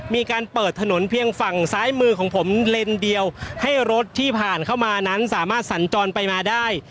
มีการเปิดถนนเพียงฝั่งซ้ายมือของผมเลนเดียวให้รถที่ผ่านเข้ามานั้นสามารถสัญจรไปมาได้